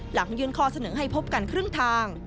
หลังยื่นข้อเสนอให้พบกันครึ่งทาง